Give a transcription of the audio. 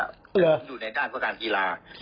อยู่ในด้านโฆษากีฬา